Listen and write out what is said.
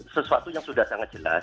sesuatu yang sudah sangat jelas